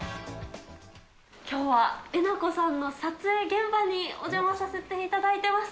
きょうは、えなこさんの撮影現場にお邪魔させていただいています。